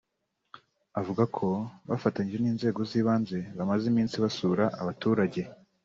Avuga ko bafatanyije n’inzego z’ibanze bamaze iminsi basura abaturage